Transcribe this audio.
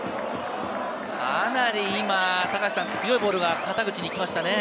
かなり今、高橋さん、強いボールが肩口に行きましたね。